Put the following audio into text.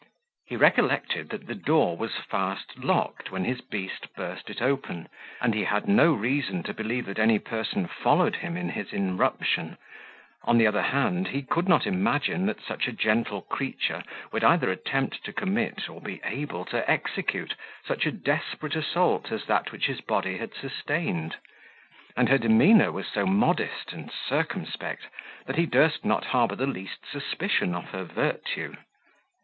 He recollected that the door was fast locked when his beast burst it open, and he had no reason to believe that any person followed him in his inruption: on the other hand, he could not imagine that such a gentle creature would either attempt to commit, or be able to execute, such a desperate assault as that which his body had sustained; and her demeanour was so modest and circumspect, that he durst not harbour the least suspicion of her virtue.